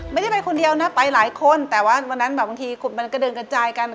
ไม่ได้ไปคนเดียวนะไปหลายคนแต่ว่าวันนั้นแบบบางทีขุดมันกระเดินกระจายกัน